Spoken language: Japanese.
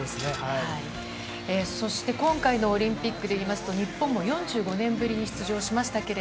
今回のオリンピックでいいますと日本も４５年ぶりに出場しました。